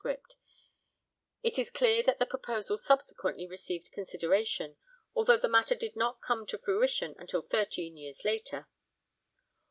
it is clear that the proposal subsequently received consideration, although the matter did not come to fruition until thirteen years later.